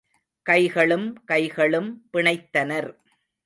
கைகளும் கைகளும் பிணைத்தனர்.